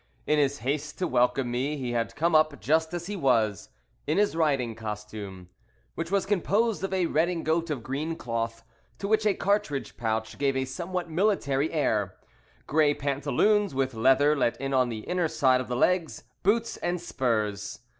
In his haste to welcome me he had come up, just as he was, in his riding costume, which was composed of a redingote of green cloth, to which a cartridge pouch gave a somewhat military air, grey pantaloons with leather let in on the inner side of the legs, boots and spurs.